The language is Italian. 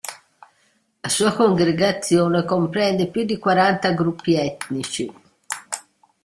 La sua congregazione comprende più di quaranta gruppi etnici.